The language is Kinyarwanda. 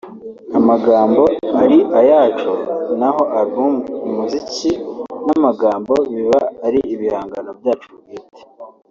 amagambo ari ayacu naho album umuziki n’amagambo biba ari ibihangano byacu bwite”